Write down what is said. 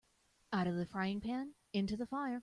Out of the frying pan into the fire.